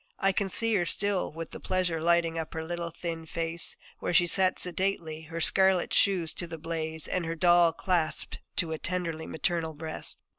I can see her still, with the pleasure lighting up her little, thin face, where she sat sedately, her scarlet shoes to the blaze and her doll clasped to a tenderly maternal breast.